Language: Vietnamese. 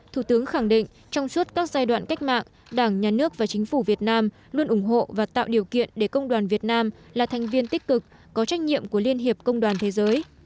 thủ tướng khẳng định trong suốt các giai đoạn cách mạng đảng nhà nước và chính phủ việt nam luôn ủng hộ và tạo điều kiện để công đoàn việt nam là thành viên tích cực có trách nhiệm của liên hiệp công đoàn thế giới